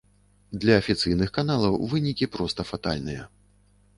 Для афіцыйных каналаў вынікі проста фатальныя.